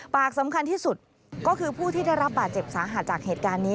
ปากสำคัญที่สุดก็คือผู้ที่ได้รับบาดเจ็บสาหัสจากเหตุการณ์นี้